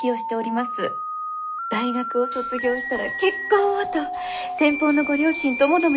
大学を卒業したら結婚をと先方のご両親ともども